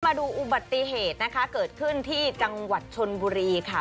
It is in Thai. มาดูอุบัติเหตุนะคะเกิดขึ้นที่จังหวัดชนบุรีค่ะ